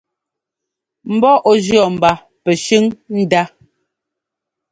Mbɔ ɔ jʉ̈ mba pɛshʉ́n ndá.